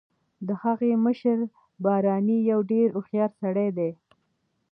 د هغه مشر بارني یو ډیر هوښیار سړی دی